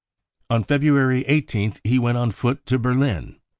On February 18th he went on foot to Berlin.